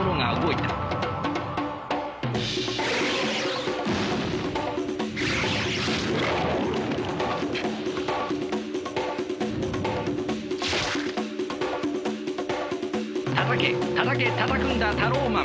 たたけたたけたたくんだタローマン！